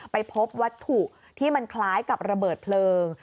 ไปพบวัตถุที่มันคล้ายกับระเบิดเพลิง